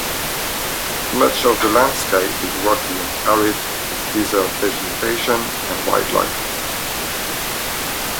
Much of the landscape is rocky and arid with desert vegetation and wildlife.